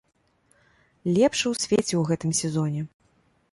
Лепшы ў свеце ў гэтым сезоне!